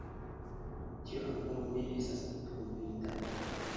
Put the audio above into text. Tio ankoraŭ ne estas pruvita.